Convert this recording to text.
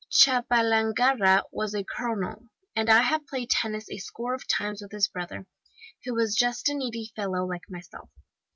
Chapalangarra was a colonel, and I have played tennis a score of times with his brother, who was just a needy fellow like myself.